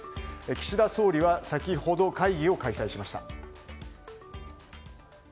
岸田総理は先ほど、会議を開催しました。